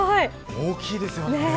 大きいですね。